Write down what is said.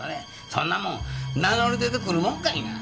そんなもん名乗り出てくるもんかいな。